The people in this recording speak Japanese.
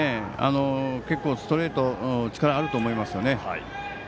結構、ストレートに力があると思います。